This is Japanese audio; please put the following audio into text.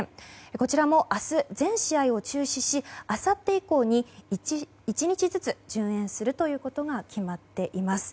こちらも明日、全試合を中止しあさって以降に１日ずつ順延することが決まっています。